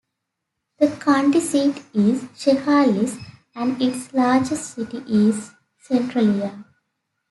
The county seat is Chehalis, and its largest city is Centralia.